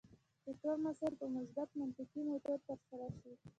چې ټول مسایل په مثبت منطقي میتود ترسره شي.